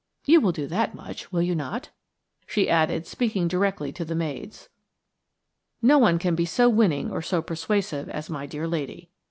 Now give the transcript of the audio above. You will do that much, will you not?" she added, speaking directly to the maids. No one can be so winning or so persuasive as my dear lady.